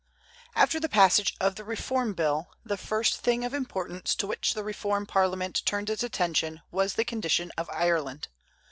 After the passage of the Reform Bill, the first thing of importance to which the reform Parliament turned its attention was the condition of Ireland.